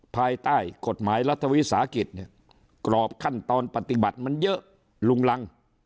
ภายใต้กฎหมายรัฐวิสาหกิจเนี่ยกรอบขั้นตอนปฏิบัติมันเยอะลุงรัง